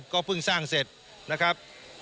ก็เพิ่งสร้างเสร็จนะครับ